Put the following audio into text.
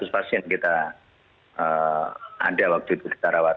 lima ratus pasien kita ada waktu itu kita rawat